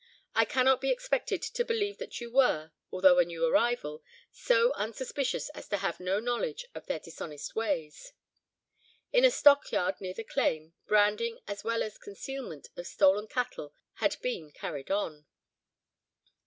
I cannot be expected to believe that you were, although a new arrival, so unsuspicious as to have no knowledge of their dishonest ways. In a stockyard near the claim, branding as well as concealment of stolen cattle had been carried on.